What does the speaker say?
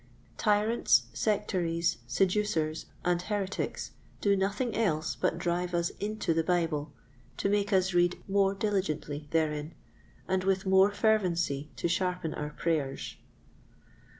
Tyrants, sectaries, seducers, and heretics do nothing else but drive us into the Bible, to make us read more diligently therein, and with more fervency to sharpen our prayers.